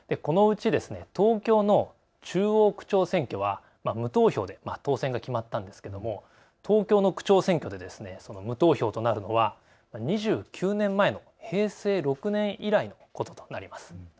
このうち東京の中央区長選挙は無投票で当選が決まったんですけども東京の区長選挙で無投票となるのは２９年前の平成６年以来のこととなります。